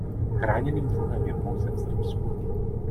Chráněným druhem je pouze v Srbsku.